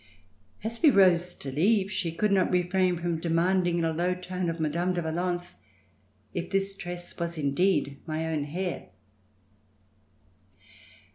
As we rose to leave she could not refrain from de manding in a low tone of Mme. de Valence if this tress was indeed my own hair.